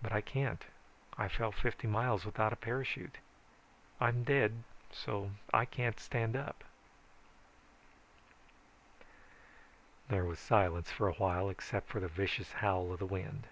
But I can't. I fell fifty miles without a parachute. I'm dead so I can't stand up." There was silence for a while except for the vicious howl of the wind.